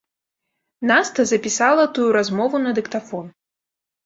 Наста запісала тую размову на дыктафон.